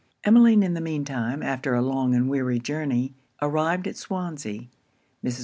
Emmeline in the mean time, after a long and weary journey, arrived at Swansea. Mrs.